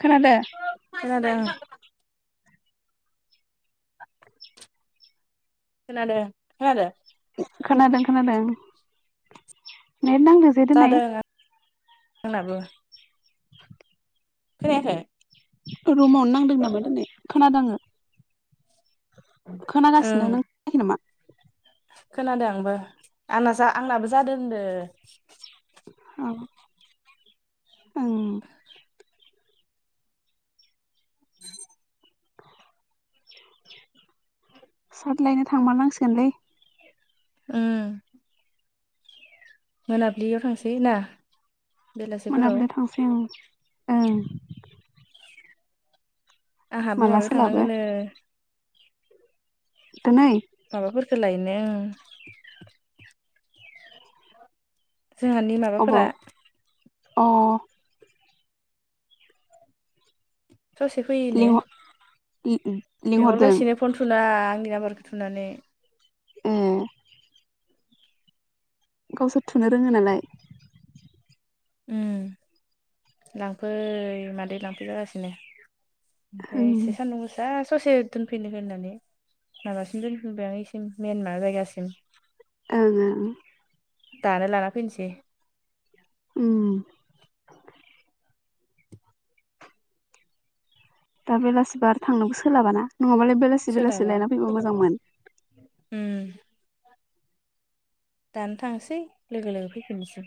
खोनादो खोनादों ओं। [inaudible] खोनादों खोनादों। खोनादों खोनादों नेड नांदों जे दिनै जोंनाबो खोनायाखै रुमावनो नांदों नामा दिनै खोनादोङो खोनागासिनो ओं नों खोनायाखै नामा खोनादों आंबो आंना जा आंनाबो जादों होनदों औ ओं [inaudible] साद लायनो थांबा नांसिगोनलै ओम मोनाबिलियाव थांसै ना बेलासिफोराव मोनाबिलि थांसै आं ओं आंहाबो माला माबायाव सोलाबो थांनांगोननो दिनै माबाफोरखौ लायनो जोंहानि माबाफोरा अबाव अ ससे फैयो लिंहर लिंहरदों बेंहरगासिनो फन थुना आंनि नाम्बारखौ थुनानै [inaudible] गावसोर थुनो रोङो नालाय ओम लांफै मादै लांफै जागासिनो ओं ओमफ्राय एसे सान्दुं गोसा ससे दोनफैनो होननानै माबासिम दोनफिनबाय आं इसिम मेन माबा जायगासिम ओं ओं दानो लाना फैसै उम दा बेलासिबो आरो थांनोबो सोलाबाना नङाबालाय बेलासि बेलासि सोलाबा लायना फैबा मोजांमोन। उम दानो थांसै लोगो लोगो फैफिननोसै।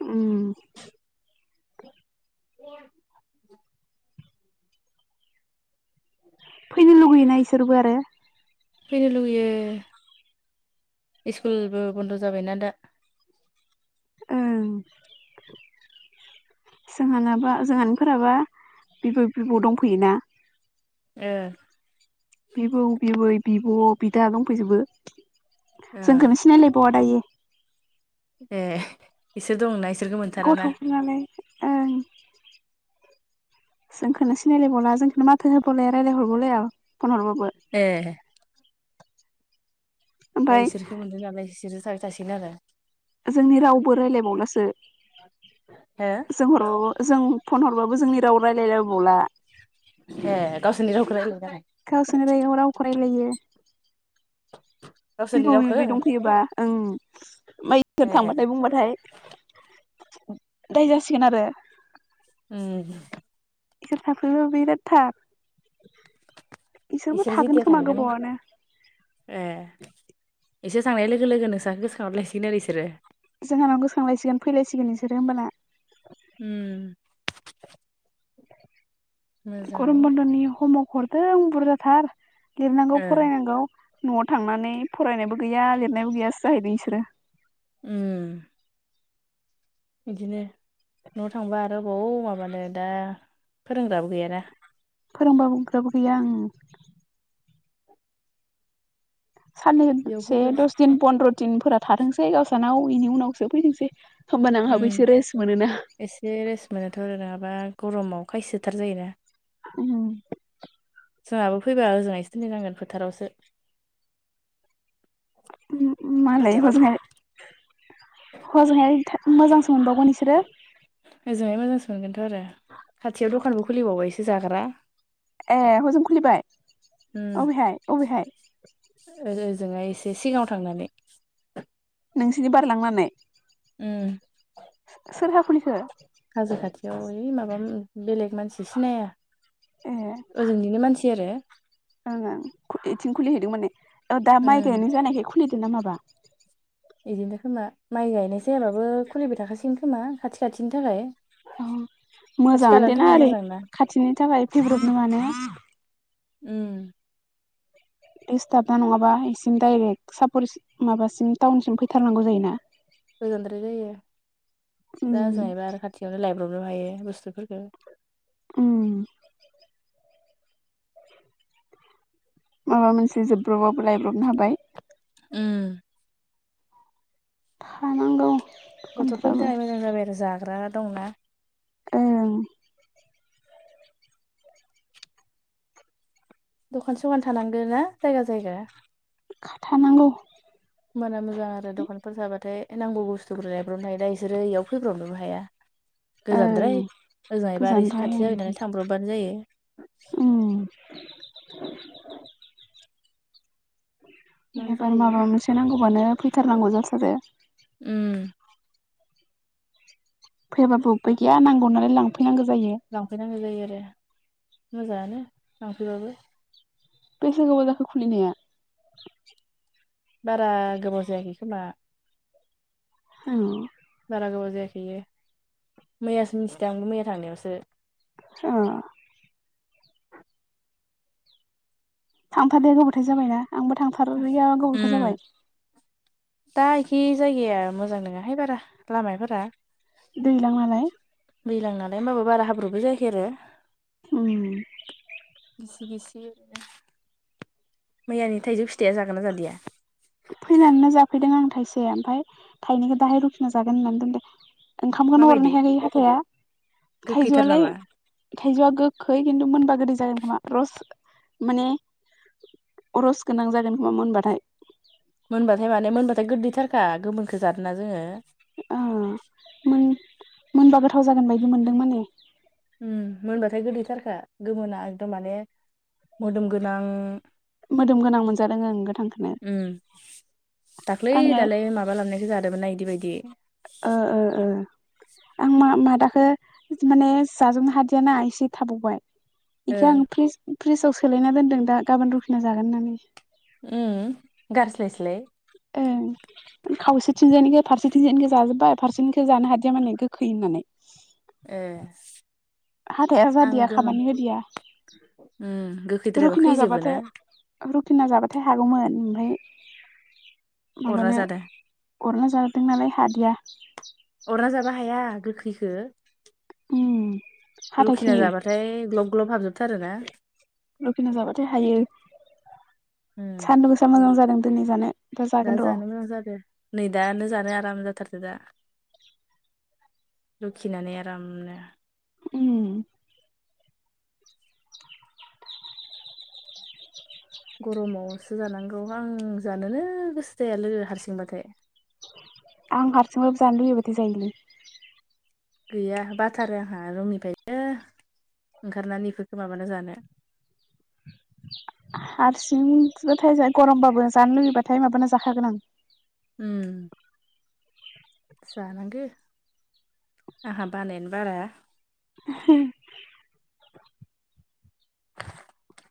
उम [inaudible] फैनो लुगैयोना इसोरबो आरो। फैनो लुुबैयो स्कुलबो बन्द' जाबायना दा। ओं जोंहानाबा जोंहानिफोराबा बिबै बिबौ दंफैयोना ओ बिबौ बिबै बिब' बिदा दंफैजोबो ओ जोंखोनो सिनायलायबावा दायो। ए इसोर दंना। इसोरखौ मोनथाराना। गथ'फोरनालाय [inaudible] जोंखोनो सिनायलायबावला जोंखोनो माथो होबावलाया रायलायहरबावलाया। फन हरबाबो। ए दा ओमफ्राय इसोरखो मोनदों नालाय इसोरजो थाबाय थासिगोन आरो। जोंनि रावबो रायलायबावलासो हो जों हरबाबो जों फन हरबाबो जोंनि राव रायलायलायबावला जोंनि रावखो रायलाय गावसोरनो रायो रावखो रायलायो। गावसोरनि बिबौ रावखौ बिबै दंफैयोबा ओं मा इसोर ए थांबाथाय बुंबाथाय दाय जासिगोन आरो। उम इसोर थाफैबा बिराद थार। बिसोरबो इसोर थागोन जेथिया खोमा थांगोन गोबावआनो। एसे थांनाय लोगो नोंसाखौ गोसोखांहर लायसिगोन आरो इसोरो। जोंहानाव गोसोखांलायसिगोन फैलायसिगोन नोंसोरो ओमबाना। उम गरम मोजाङानो। बन्द'नि हम वर्क हरदों बुरजाथार। लिरनांगौ ओ फरायनांगौ। न'आव थांनानै फरायनायबो गैया लिरनायबो गैयासो जाहैदों इसोरो। उम बिदिनो न'आ थांबा आरो बौ माबानो दा फोरोंग्राबो गैयाना। फोरोंबाबोग्राबो गैया ओं। बेयाव साननैसो फैबासो दस दिन पन्द्र' दिनफोरा थाथोंसै गावसानाव बेनि उनावसो फैथोंसै। होमबाना उ आंहाबो एसे रेस्ट मोनोना एसे रेस मोनोथ' आरो नङाबा गरमाव खायसोथार जायोना। उम जोंहाबो फैबा ओजोंहायसो दोनहैनांगोन फोथारावसो। मालाय फोथाराव हजोंहाय हजोंहाय मोजांसो मोनबावगोन इसोरो। ओजोंहाय मोजांसो मोनगोनथ' आरो खाथियाव दखानबो खुलिबावबाय सो जाग्रा। ए हजों खुलिबाय अबेहाय अबेहाय? ओजों हाय एसे सिगाङाव थांनानै। नोंसिनि बारलांनानै? उम सोरहा खुलिखो हाजो खाथियाव ओइ माबा बेलेग मानसि सिनाया। ए ओजोंनिनो मानसि आरो- ओं ओं बेथिं खुलिहैदों माने औ दा माइ उम गायनाय जानायखाय खुलिदों ना माबा? बिदिनोथ खोमा माइ गायनाय जायाबाबो खुलिबाय थाखासिगोन खोमा खाथि खाथिनि थाखाय- औ खाथि मोजाङानो खालानि देनाा थाखाय ओरै मोजां ना खाथिनि थाखाय फेब्रेट नङ माने- उम- डिसस्टाप ना नङाबा इसिम डायरेक्ट सापर माबासिम टाउनसिम फैथारनांगौ जायोना? गोजोनद्राय जायो दा उम हजोंहैबा आरो खाथियावनो लाय- बबनो हायो बुस्थुफोरफोरखौ- उम माबा मोनसे जोबब्रबाबबो लायब्रबनो हाबाय। उम हानांगौ- गथ'फोरनि थाखाय मोजां जाबाय आरो जाग्रा दंना। ओं- दखान सखान थानांगोन ना जायगा जायगा- खाथानांगौ। होमबाना मोजां आरो दखानफोर थाबाथाय नांगौ बुस्थुखौ लायब्रबनो हायो दा ए- बिसोरो इयाव फैब्रबनोबो हाया- ओं गोजानद्राय ओजोंहै बार आरो एसे गोजानद्राय खाथि जाबाय नालाय थांब्रबबानो जायो। उम- मा एबार जायो माबा मोनसे नांगौबानो फैथारनांगौ जाथारो- उम- फैयाबा बबबाय गैया नांगौ नालाय लांफै- लांफैनांगौ जायो आरो मोजाङानो लांफैबाबो- बेैसा गोबाव जाखो खुलिनाया? बारा गोबाव जायाखै खोमा- औ बारा गोबाव जायाखैयो मैयासो मिथिदों आंबो मैया थांनायावसो अ थांफादो गोबावथाय जाबायना आंबो थांथारैया गोबावथार जाबाय दा एखे जायगाया मोजां नङाहाय बारा लामाफोरा दैज्लां नालाय दैज्लां नालाय होमबाबो बारा हाब्रुबो जायो खेरो उम गिसि गिसि मैयानि थाइजौ फिथाइया जागोन ना जादिया फैनानैनो जाफैदों आं थाइसे ओमफ्राय थाइनैखौ दाहाय रुखिना जागोन होननानै दोनदों। ओंखामखौनो अरनो माबायदि हायाखै हाथाइआ गोखैथार थाइजौआलाय नामा थायजौआ गोखै खिन्थु मोनबा गोदै जागोन खोमा रस माने रस गोनां जागोन खोमा मोनबाथाय। मोनबाथाय माने मोनबाथाय गोदैथारखा गोमोनखौ जादोंना जोङो ओ मोन मोनबा गोथाव जागोन बायदि मोनदों माने उम मोनबाथाय गोदैथारखा गोमोना एकदम माने मोदोम गोनां मोदोम गोनां मोनजादो ओं गोथांखौनो‌। उम दाख्लै दालाय माबा लबनायखौ जादोंमोनना इदि बायदि ओ ओ‌ ओ आं मा-मादाखो माने जाजोबनो हादियाना इसे थाबावबाय ओ बेखौ आं फ्रिस-फ्रिजाव सोलायना दोन्दों दा गाबोन रुखिना जागोन होननानै। उम गारस्लाय स्लाय ओं खावसेथिंजायनिखौ फारसेथिंजायनिखौ जाजोब्बाय फारसेनिखौ जानो हादिया माने गोखैमोन नानै ए हाथाया आङो जादिया गोमोन खामानि होदिया उम गोखैद्रायबा रुखिना खैजोबो ना जाबाथाय रुखिना जाबाथाय हागौमोन ओमफाय अरना माबानो जादों गरना जादों नालाय हादिया अरना जाबा हाया गोखैखो उम हाथाय रुखिना खोयो जाबाथाय ग्लब ग्लब हाबजोबथारोना रुखिना जाबाथाय हायो सान्दुं गोसा मोजां जादों दोनै जानो दा जागोन र' जानो मोजां जादो नै दानो जानो आराम जाथार दा लुखिनानै आरामनो उम गर'मावसो जानांगौ आं जानोनो गोसो जाया लोगो हारसिंबाथाय [inaudible] आं हारसिंबाबो जानो लुगैबथाय जायोलै गैया बाथारो आंहा रुनिफ्रायनो ओंखारनानै इफोरखो माबाना जानो हारसिं [unintelligible] थाय गर'मबाबो जानो लुुबैबाथाय माबाना जाखागोन आं उम जानांगो आंहा बानायानो बारा [unintelligible] [unintelligible]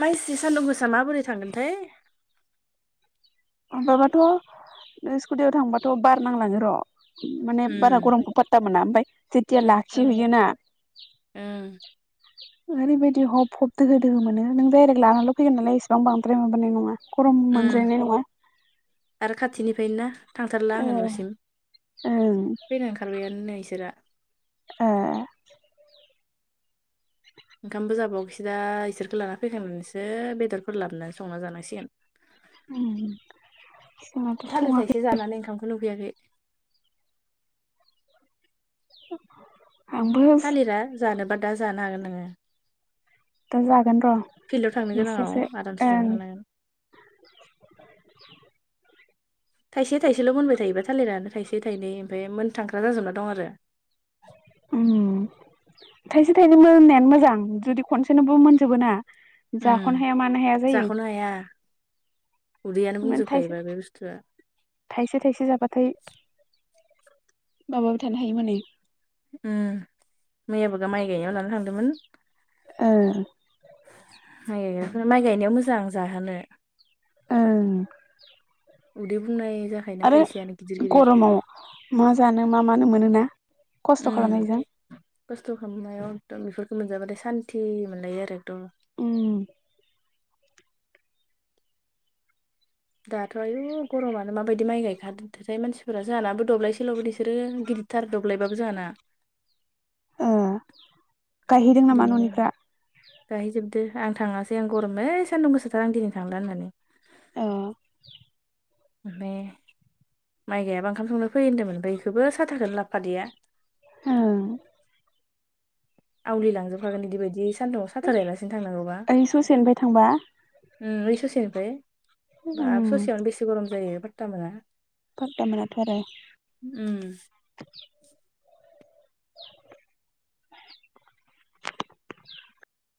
माइसि सानदुं गोसा माबोरै थांगोनथाय माबाबाथ' ओ स्कुटियाव थांबाथ' बार नांलाङो र' माने उम बारा गरमखौ फाता मोना ओमफ्राय जेथिया लाखि हैैयोना उम ओरैबायदि हब हब दोहो दोहो मोनो नों डाइरेक लानाल' फैगोन नालाय इसेबां बांद्राय मोनाबानाय नङा गरम उम मोनजद्रायनाय नङा आरो खाथिनिफाय नो ना? थांथारला ओ आङो न'सिम। ओं फैनो ओंखारबायाननो इसोरा ओ ओंखामबो जाबावखैसो दा इसोरखो लाना फैखांनानैसो बेदरफोर लाबोनानै संना जानांसिगोन जोंहाथ' थालिर सङाखै थाइसे जानानै ओंखामखौनो उखैयाखै [unintelligible] थालिरा जानोबा दा जानो हागोन नोङो। दा जागोन र' फिल्डाव थांनो एसेसो गोनांआव आरामसे जाना ओं थांनो हागोन। [inaudible] थाइसे थाइसेल' मोनबाय थायोबा थालिरानो थाइसे थाइनै ओमफ्राय मोनथांख्रा जाजोबना दं आरो। उम थाइसे थाइनै मोननायानो मोजां जुदि खनसेनोबो मोनजोबो ना जाख'नो उम हाया मानो हाया जायो जाख'नो हाया उदैयानो माने थाइसे बुंजोबखायोबा बे बुस्थुआ थाइसे थाइसे जाबाथाय माबाबो थानो हायो माने उम मैयाबो गा माइ गायनायाव लाना थांदोंमोन ओ माइ माइ गायनायाव मोजां जाहोनो ओं उदै बुंनाय जाखायोना आरो थाइसेयानो गिदिर गिदिर ग'रमाव मा जानो मा मानो मोनोना खस्थ' उ खालामनायजों खस्थ' खालामनायाव एकदम बेफोरफोरखौ मोनजाबाथाय सान्ति मोनलायो आरो एकदम उम दाथ' आयु गरमानो माबायदि माइ गायखादोंथाय मानसिफोरा जानाबो दब्लायसेल'बो इसो गिदिर दिथार दग्लायबाबो जोंहाना। ओ गायहैदों नामा न'निफ्रा? ओ आं थाङासै आं गरम ओइ सानदुं गोसोथार आं दिनै थांला होननानै। औ बे माइ गाययाबा ओंखाम संनो फै होनदोंमोन ओमफाय इखौबो साथाखोनो लाफादैया औ आवलि लांजोबखागोन बिदिबायदि सानदुंआव साथा लालासिनो थांनांगौबास ओइ ससेनिफ्राय थांबा उम ओइ ससे बा उम ससेयावनो बेसे गरम जायो भात्ता मोना। फातामोनाथ' आरो उम [unintelligible] [unintelligible]